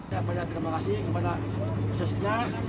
saya percaya terima kasih kepada khususnya